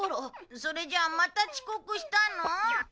それじゃあまた遅刻したの？